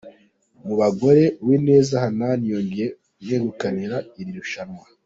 Mu bagore Uwineza Hanani yongeye mwegukana iri rushanwa.